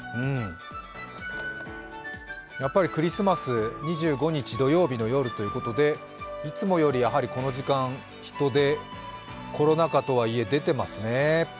やっぱりクリスマス、２５日土曜日の夜ということでいつもよりはこの時間、人出、コロナ禍とはいえ、出ていますね。